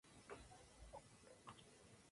Se transmite por la radio.